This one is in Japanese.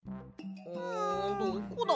んどこだ？